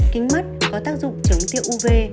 kính mắt có tác dụng chống tiêu uv